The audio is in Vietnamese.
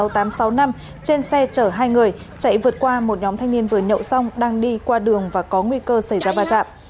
trên xe chở hai người chạy vượt qua một nhóm thanh niên vừa nhậu xong đang đi qua đường và có nguy cơ xảy ra va chạm